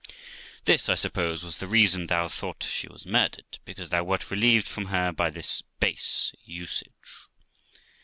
This, I suppose, was the reason thou thought she was murdered, because thou wert relieved from her by this base usage.